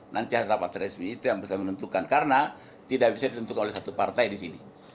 nanti rapat resmi itu yang bisa menentukan karena tidak bisa ditentukan oleh satu partai di sini